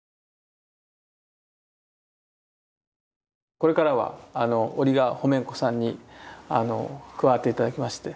これからはオリガホメンコさんに加わって頂きまして。